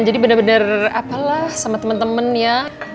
jadi bener bener apalah sama temen temen ya